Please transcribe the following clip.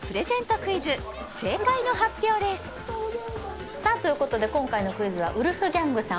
クイズ正解の発表ですさあということで今回のクイズはウルフギャングさん